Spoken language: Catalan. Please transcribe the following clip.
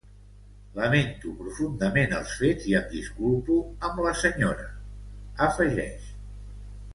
Lamento profundament els fets i em disculpo amb la senyora, afegeix.